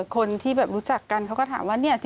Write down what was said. คนที่แบบรู้จักกันเขาก็ถามว่าเนี่ย